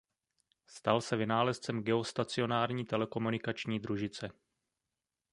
Stal se vynálezcem geostacionární telekomunikační družice.